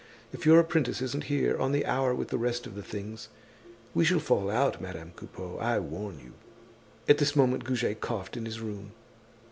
If your apprentice isn't here on the hour with the rest of the things, we shall fall out, Madame Coupeau, I warn you." At this moment Goujet coughed in his room.